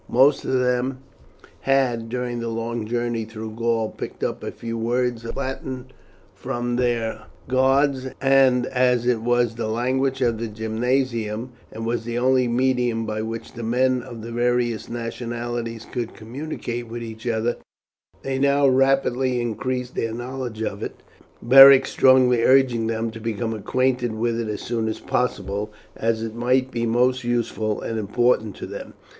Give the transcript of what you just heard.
Most of them had, during the long journey through Gaul, picked up a few words of Latin from their guards, and as it was the language of the gymnasium, and was the only medium by which the men of the various nationalities could communicate with each other, they now rapidly increased their knowledge of it, Beric strongly urging them to become acquainted with it as soon as possible, as it might be most useful and important to them.